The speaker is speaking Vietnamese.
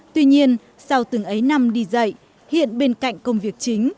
tuy nhiên sau từng ấy năm đi dạy hiện bên cạnh công việc chính